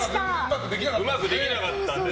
うまくできなかったんです。